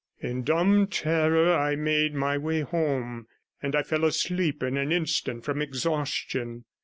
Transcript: In dumb terror I made my way home, and I fell asleep in an instant from exhaustion.